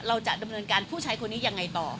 เราจะดำเนินการผู้ชายคนนี้ยังไงต่อ